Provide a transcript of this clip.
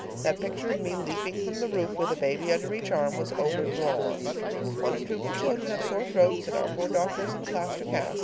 That picture of me leaping from the roof with a baby under each arm was overdrawn. One or two of the children have sore throats, and our poor doctor is in a plaster cast.